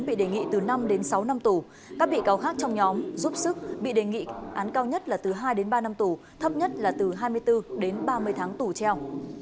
bị đề nghị từ năm đến sáu năm tù các bị cáo khác trong nhóm giúp sức bị đề nghị án cao nhất là từ hai đến ba năm tù thấp nhất là từ hai mươi bốn đến ba mươi tháng tù treo